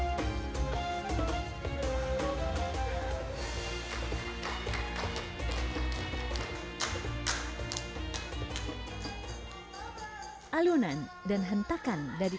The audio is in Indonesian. ya ini dia salah satu hal yang menarik bisa kita temui ketika kita berwisata religi ke masjid sunda kelapa ini